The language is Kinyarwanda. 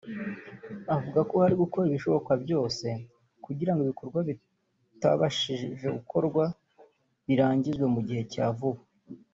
avuga ko hari gukorwa ibishoboka byose kugira ngo ibikorwa bitabashije gukorwa birangizwe mu gihe cya vuba